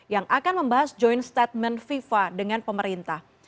yang akan membahas joint statement fifa dengan pemerintah